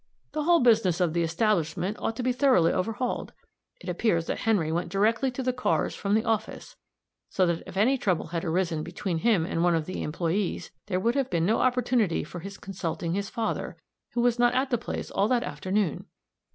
The whole business of the establishment ought to be thoroughly overhauled. It appears that Henry went directly to the cars from the office; so that if any trouble had arisen between him and one of the employees, there would have been no opportunity for his consulting his father, who was not at the place all that afternoon."